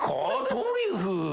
トリュフ。